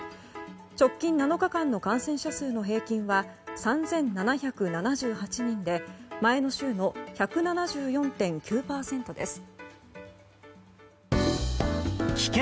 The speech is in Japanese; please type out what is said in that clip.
直近７日間の感染者数の平均は３７７８人で前の週の１７４．９％です。